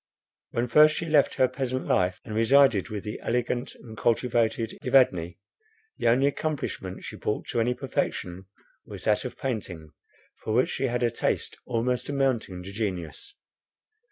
When first she left her peasant life, and resided with the elegant and cultivated Evadne, the only accomplishment she brought to any perfection was that of painting, for which she had a taste almost amounting to genius.